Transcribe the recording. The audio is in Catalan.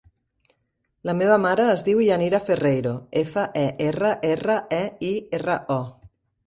La meva mare es diu Yanira Ferreiro: efa, e, erra, erra, e, i, erra, o.